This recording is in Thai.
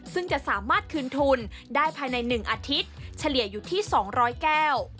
ซึ่งจะสามารถคืนทุนได้ภายใน๑อาทิตย์เฉลี่ยอยู่ที่๒๐๐แก้ว